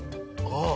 ああ！